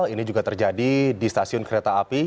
ini juga terjadi di stasiun kereta api